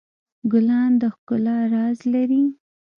ګلان د ښکلا راز لري.